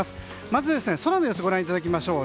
まず、空の様子をご覧いただきましょう。